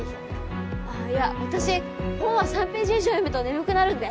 あっいや私本は３ページ以上読むと眠くなるんで。